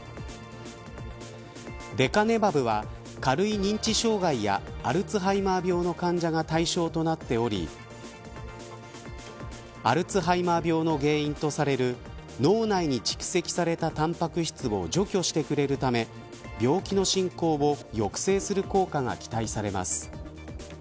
レカネマブは、軽い認知障害やアルツハイマー病の患者が対象となっておりアルツハイマー病の原因とされる脳内に蓄積されたタンパク質を除去してくれるため病気の進行を抑制する効果が期待されます。